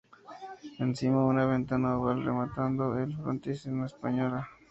Encima, una ventana oval y, rematando el frontis, con una espadaña.